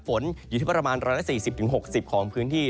ฝนอยู่ที่ประมาณ๑๔๐๖๐ของพื้นที่